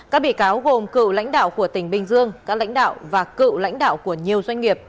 các bị cáo gồm cựu lãnh đạo của tỉnh bình dương các lãnh đạo và cựu lãnh đạo của nhiều doanh nghiệp